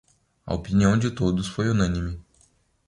A opinião de todos foi unânime.